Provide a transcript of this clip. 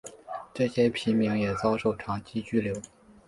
这些平民也遭受长期拘留。